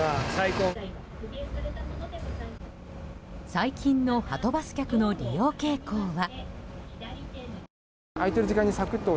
最近のはとバス客の利用傾向は。